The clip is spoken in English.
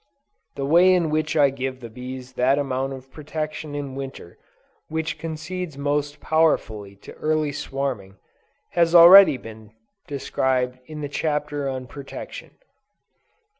The way in which I give the bees that amount of protection in Winter, which conduces most powerfully to early swarming, has already been described in the Chapter on Protection.